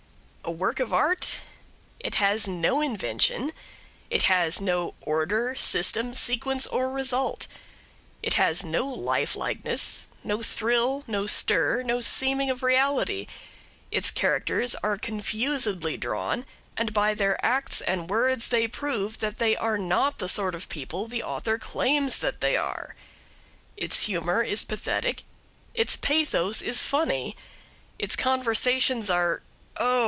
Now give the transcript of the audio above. A work of art? It has no invention; it has no order, system, sequence, or result; it has no lifelikeness, no thrill, no stir, no seeming of reality; its characters are confusedly drawn, and by their acts and words they prove that they are not the sort of people the author claims that they are; its humor is pathetic; its pathos is funny; its conversations are oh!